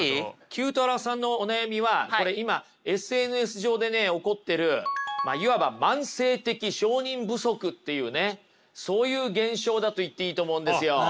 ９太郎さんのお悩みはこれ今ＳＮＳ上で起こってるまあいわば慢性的承認不足っていうねそういう現象だと言っていいと思うんですよ。